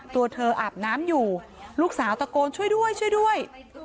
ตัวเธออาบน้ำอยู่ลูกสาวตะโกนช่วยด้วยช่วยด้วย